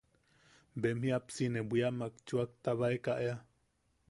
Bem jiapsi ne bwiamak chuʼaktabaeka ea.